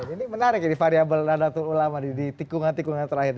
ini menarik ya di variable nada ulama di tikungan tikungan terakhir